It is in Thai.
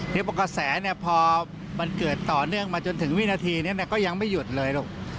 นี่บอกกระแสพอมันเกิดต่อเนื่องมาจนถึงวินาทีนี้ก็ยังไม่หยุดเลยลูก